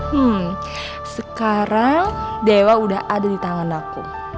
hmm sekarang dewa udah ada di tangan aku